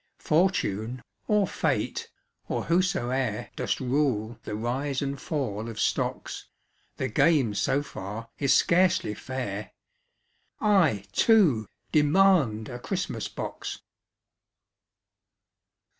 ENVOI. Fortune, or Fate, or whosoe'er Dost rule the rise and fall of Stocks, The game so far is scarcely fair ŌĆö I too demand a Christmas box.